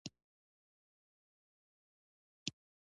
افغانستان د قومونه له مخې پېژندل کېږي.